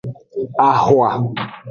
Axwa.